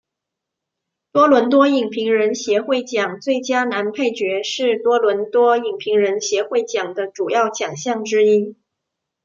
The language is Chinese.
多伦多影评人协会奖最佳男配角是多伦多影评人协会奖的主要奖项之一。